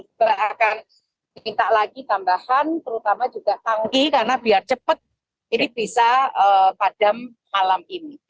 kita akan minta lagi tambahan terutama juga tangki karena biar cepat ini bisa padam malam ini